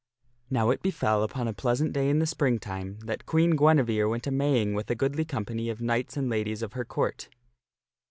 NOW it befell upon a pleasant day in the spring time, that Queen Guinevere went a Maying with a goodly company of Knights and Ladies of her Court.